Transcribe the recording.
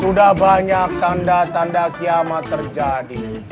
sudah banyak tanda tanda kiamat terjadi